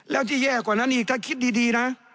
แล้วที่แย่กว่านั้นอีกถ้าคิดดีนะ